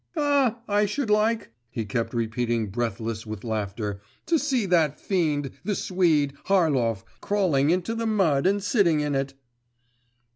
'Ah! I should like,' he kept repeating breathless with laughter, 'to see that fiend, the Swede, Harlov, crawling into the mud and sitting in it.